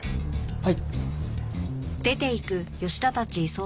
はい。